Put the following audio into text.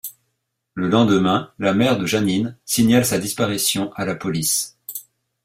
Le lendemain, la mère de Jeanine signale sa disparition à la police.